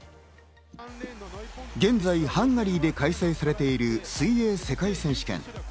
現在、ハンガリーで開催されている水泳世界選手権。